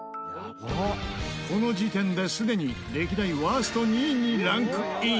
この時点ですでに歴代ワースト２位にランクイン。